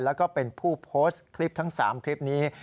แล้วก็เป็นผู้โพสต์คลิปทั้ง๓คลิปนี้